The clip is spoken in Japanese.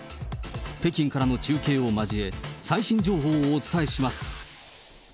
北京からの中継を交え、最新情報をお伝えします。